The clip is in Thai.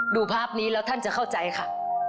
ดูภาพนี้แล้วท่านจะเข้าใจค่ะ